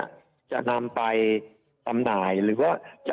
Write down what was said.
เนี้ยจะนำไปสำหนายหรือว่า